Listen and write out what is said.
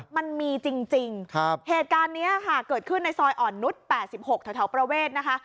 มันมีจริงเหตุการณ์นี้ค่ะเกิดขึ้นในซอยอ่อนนุษย์๘๖แถวประเวทนะคะ